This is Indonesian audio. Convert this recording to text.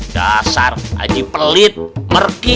dasar haji pelit mergi medit